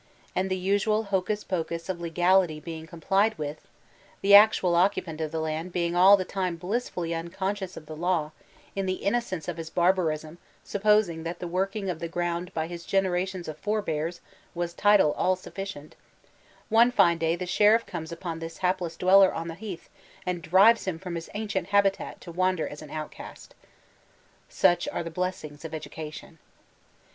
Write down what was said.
And the usual hocus pocus of legality being complied with (the actual occupant of the land being all the time blissfully unconscious of the law, in the innocence of Us barbarism supposing that the working of the ground by hb generations of forbears was title all sufficient) one fine day the sheriff comes upon this hapless dweller on the heath and drives him from his ancient habitat to wander an outcast. Such are the blessings of education.